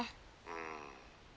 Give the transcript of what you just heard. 「うん。